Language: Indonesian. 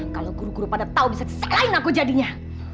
kalau guru guru pada tahu bisa sigline aku jadinya